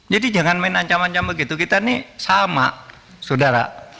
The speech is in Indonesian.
jadi jangan main ancam ancam begitu kita ini sama saudara